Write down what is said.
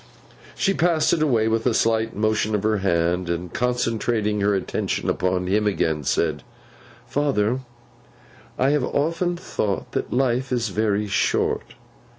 She passed it away with a slight motion of her hand, and concentrating her attention upon him again, said, 'Father, I have often thought that life is very short.